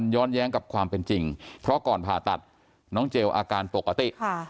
ย้อนแย้งกับความเป็นจริงเพราะก่อนผ่าตัดน้องเจลอาการปกติ